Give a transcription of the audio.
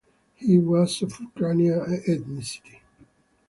He was of Ukrainian ethnicity.